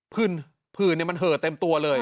ผื่นผื่นเนี่ยมันเห่อเต็มตัวเลย